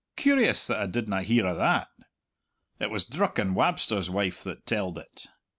Curious that I didna hear o' that!" "It was Drucken Wabster's wife that telled it.